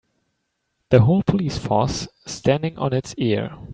The whole police force standing on it's ear.